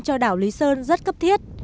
cho đảo lý sơn rất cấp thiết